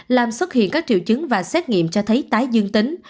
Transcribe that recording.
làm xuất hiện các triệu chứng và xét nghiệm cho thấy tái dương tính